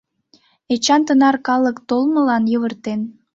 Эчан тынар калык толмылан йывыртен.